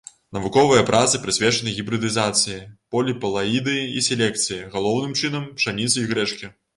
Навуковыя працы прысвечаны гібрыдызацыі, поліплаідыі і селекцыі, галоўным чынам, пшаніцы і грэчкі.